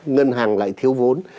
ngân hàng lại thiếu vốn